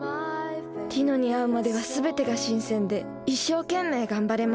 ティノに会うまではすべてが新鮮で一生懸命頑張れました。